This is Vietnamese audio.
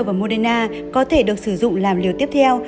và moderna có thể được sử dụng làm liều tiếp theo